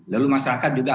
lalu masyarakat juga